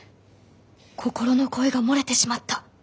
心の声心の声が漏れてしまった。